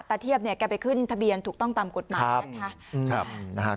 ประเทียบแกไปขึ้นทะเบียนถูกต้องตามกฎหมาย